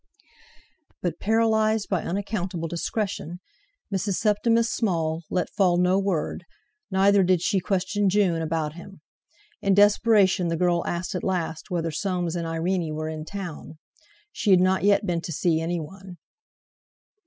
But paralyzed by unaccountable discretion, Mrs. Septimus Small let fall no word, neither did she question June about him. In desperation the girl asked at last whether Soames and Irene were in town—she had not yet been to see anyone.